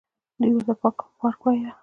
دوى ورته پارک وايه.